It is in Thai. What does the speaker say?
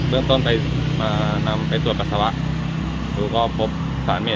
ครับเข้าไปบ้านหลังนี้